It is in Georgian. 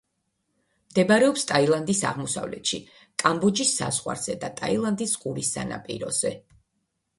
მდებარეობს ტაილანდის აღმოსავლეთში, კამბოჯის საზღვარზე და ტაილანდის ყურის სანაპიროზე.